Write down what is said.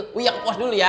gue ke pos dulu ya